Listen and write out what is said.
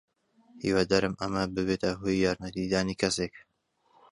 هیوادارم ئەمە ببێتە هۆی یارمەتیدانی کەسێک.